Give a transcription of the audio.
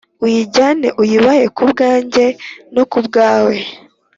uyijyane uyibahe ku bwanjye no ku bwawe.